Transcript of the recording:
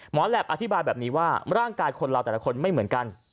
แหลปอธิบายแบบนี้ว่าร่างกายคนเราแต่ละคนไม่เหมือนกัน